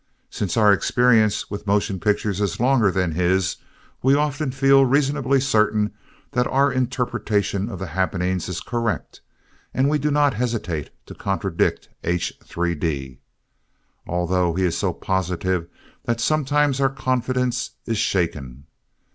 Since our experience with motion pictures is longer than his we often feel reasonably certain that our interpretation of the happenings is correct and we do not hesitate to contradict H. 3d, although he is so positive that sometimes our confidence is shaken.